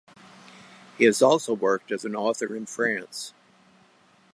He has also worked as an author in France.